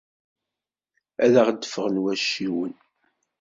Ad aɣ-d-ffɣen wacciwen.